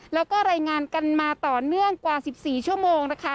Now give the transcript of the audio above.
แล้วก็รายงานกันมาต่อเนื่องกว่า๑๔ชั่วโมงนะคะ